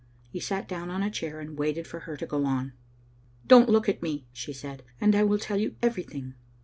He sat down on a chair and waited for her to go on. "Don't look at me," she said, "and I will tell y6u everything."